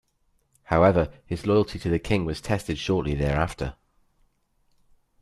However his loyalty to the King was tested shortly thereafter.